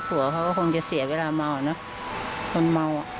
แม่ของแม่แม่ของแม่